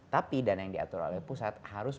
tapi dana yang diatur oleh pusat harus